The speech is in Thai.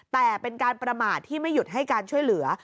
แต่เป็นการประมาทที่ไม่หยุดให้การช่วยเหลือ